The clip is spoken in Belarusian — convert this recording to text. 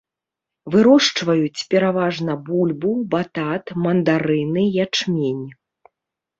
Вырошчваюць пераважна бульбу, батат, мандарыны, ячмень.